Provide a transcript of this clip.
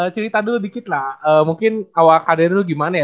cerita dulu dikit lah mungkin awal karir lu gimana ya